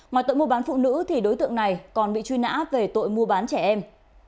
ngoài tội mua bán phụ nữ thì đối tượng này còn bị truy nã về tội mua bán trẻ em